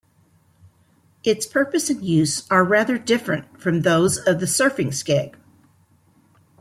Its purpose and use are rather different from those of the surfing skeg.